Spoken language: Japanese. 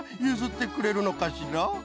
ゆずってくれるのかしら？